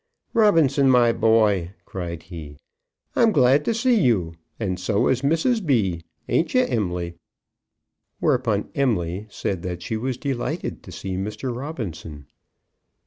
"Robinson, my boy," cried he, "I'm glad to see you; and so is Mrs. B. Ain't you, Em'ly?" Whereupon Em'ly said that she was delighted to see Mr. Robinson.